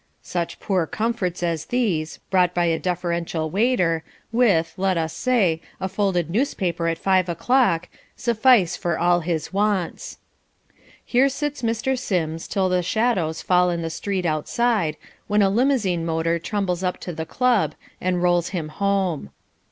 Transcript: Such poor comforts as these, brought by a deferential waiter, with, let us say, a folded newspaper at five o'clock, suffice for all his wants. Here sits Mr. Sims till the shadows fall in the street outside, when a limousine motor trundles up to the club and rolls him home.